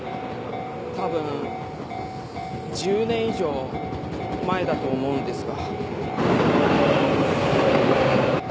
多分１０年以上前だと思うんですが。